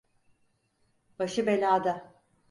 Başı belada.